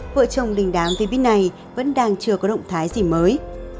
vợ chồng đình đám tí bít này vẫn đang chưa có động thái gì mới